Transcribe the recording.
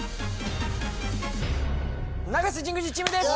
永瀬・神宮寺チームです！